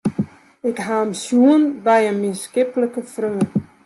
Ik ha him sjoen by in mienskiplike freon.